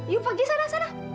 yuk pergi sana sana